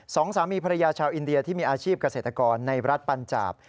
สองสามีภรรยาชาวอินเดียที่มีอาชีพเกษตรกรในรัฐปัญจาบ